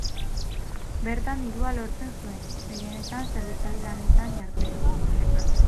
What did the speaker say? Bertan dirua lortzen zuen, gehienetan zerbitzari lanetan jardunez.